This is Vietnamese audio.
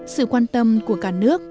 sự quan tâm của cả nước